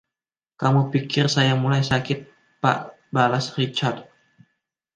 “Kamu pikir Saya mulai sakit, Pak.” balas Richard.